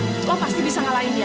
lo pasti bisa ngalahin dia